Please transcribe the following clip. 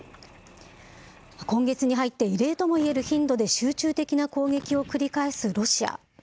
今月に入って異例ともいえる頻度で集中的な攻撃を繰り返すロシア。